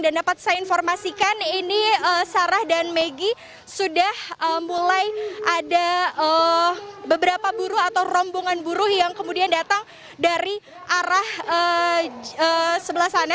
dan dapat saya informasikan ini sarah dan maggie sudah mulai ada beberapa buruh atau rombongan buruh yang kemudian datang dari arah sebelah sana